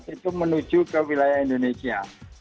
itu menuju ke wilayah indonesia